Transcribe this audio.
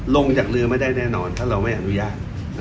ลงจากเรือไม่ได้แน่นอนถ้าเราไม่อนุญาต